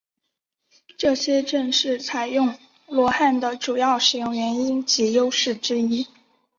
这些正是采用汉罗的主要使用原因及优势之一。